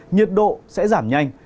nhiệt độ sẽ giảm nhanh